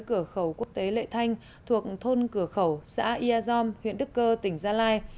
cửa khẩu quốc tế lệ thanh thuộc thôn cửa khẩu xã ia giom huyện đức cơ tỉnh gia lai